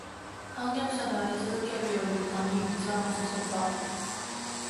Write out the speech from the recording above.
叛逆者でありつづけるよりほかに途はなさそうだ